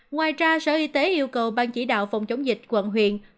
ngoài ra sở y tế yêu cầu ban chỉ đạo phòng chống dịch quận huyện